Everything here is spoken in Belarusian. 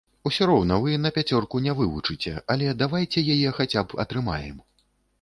Усё роўна вы на пяцёрку не вывучыце, але давайце яе хаця б атрымаем!